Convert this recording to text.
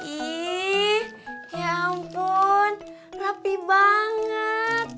iya ya ampun rapi banget